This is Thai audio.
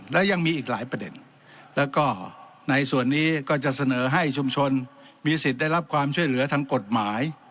และยังมีอีกหลายประเด็นแล้วก็ในส่วนนี้ก็จะเสนอให้ชุมชนมีสิทธิ์ได้รับความช่วยเหลือทางกฎหมาย